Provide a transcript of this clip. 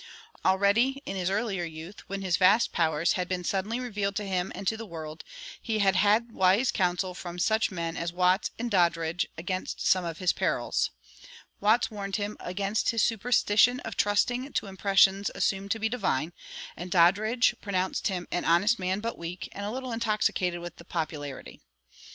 Already, in his earlier youth, when his vast powers had been suddenly revealed to him and to the world, he had had wise counsel from such men as Watts and Doddridge against some of his perils. Watts warned him against his superstition of trusting to "impressions" assumed to be divine; and Doddridge pronounced him "an honest man, but weak, and a little intoxicated with popularity."